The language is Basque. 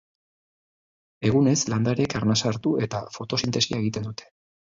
Egunez, landareek arnasa hartu, eta fotosintesia egiten dute.